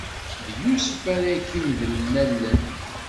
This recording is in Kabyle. D Yusef ara k-imedlen allen.